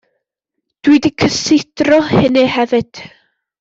Dw i 'di cysidro hynny hefyd.